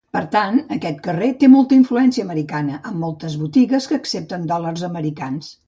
Per tant, aquest carrer té molta influència americana, amb moltes botigues que accepten dòlars americans.